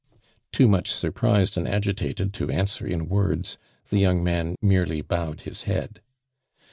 Too mucli surprised and agitated to rtnswer in words, the young man merely towed his head.